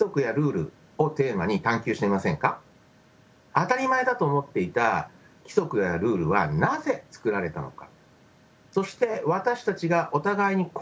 当たり前だと思っていた規則やルールはなぜ作られたのか。